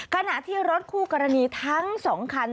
ขณะที่รถคู่กรณีทั้ง๒คัน